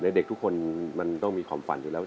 เด็กทุกคนมันต้องมีความฝันอยู่แล้ว